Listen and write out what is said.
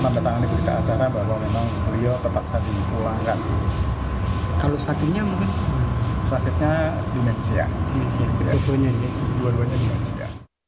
pemulangan tersebut karena calon jamaah calon haji tersebut tidak layak berangkat sehingga langsung diantar pulang ke daerah masing masing